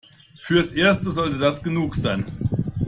Fürs Erste sollte das genug sein.